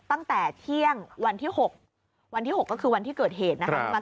ตั้งแต่เที่ยงวันที่๖วันที่๖ก็คือวันที่เกิดเหตุนะครับ